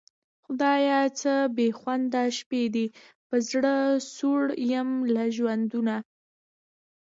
خدایه څه بېخونده شپې دي په زړه سوړ یم له ژوندونه